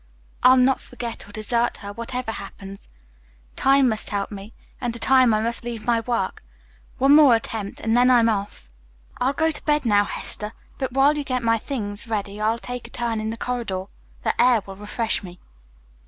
I'll not forget or desert her whatever happens. Time must help me, and to time I must leave my work. One more attempt and then I'm off." "I'll go to bed now, Hester; but while you get my things ready I'll take a turn in the corridor. The air will refresh me."